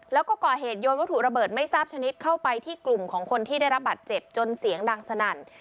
แล้วก็ก่อเหตุโยนวัตถุระเบิดไม่ทราบชนิดเข้าไปที่กลุ่มของคนที่ได้รับบัตรเจ็บจนเสียงดังสนั่น